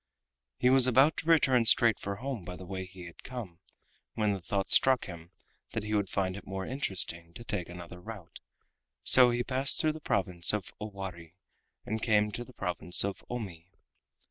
He was about to return straight for home by the way he had come, when the thought struck him that he would find it more interesting to take another route, so he passed through the province of Owari and came to the province of Omi.